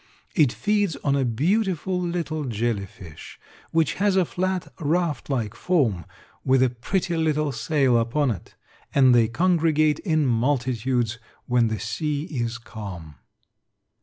It feeds on a beautiful little jelly fish, which has a flat, raft like form with a pretty little sail upon it, and they congregate in multitudes when the sea is calm.